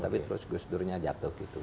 tapi terus gusturnya jatuh gitu